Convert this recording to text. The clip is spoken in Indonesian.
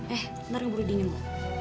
eh ntar gue buru dingin mbak